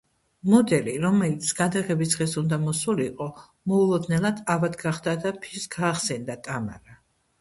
მოდელი, რომელიც გადაღების დღეს უნდა მოსულიყო, მოულოდნელად ავად გახდა და ფიშს გაახსენდა ტამარა.